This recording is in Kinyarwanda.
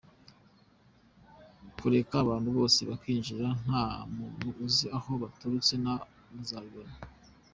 Kureka abantu bose bakinjira, nta muntu uzi aho baturutse, muzabibona.